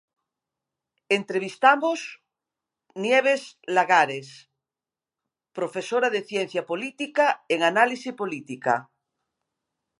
Entrevistamos Nieves Lagares, profesora de Ciencia Política, en análise política.